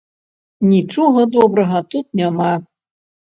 Нічога добрага тут няма.